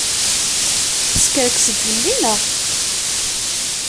Teskerkseḍ fell-i, naɣ?